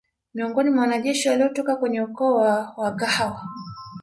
Miongoni mwa wanajeshi walitoka kwenye ukoo wa Wangâhoo